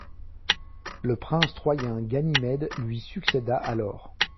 Le prince troyen Ganymède lui succéda alors.